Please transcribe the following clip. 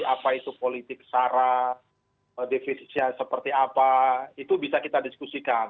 apa itu politik sara defisitnya seperti apa itu bisa kita diskusikan